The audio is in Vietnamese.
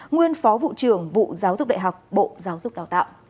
nguyên phó vụ trưởng vụ giáo dục đại học bộ giáo dục đào tạo